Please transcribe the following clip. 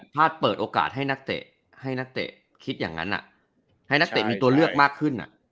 ถ้าเปิดโอกาสให้นักเตะให้นักเตะคิดอย่างนั้นให้นักเตะมีตัวเลือกมากขึ้น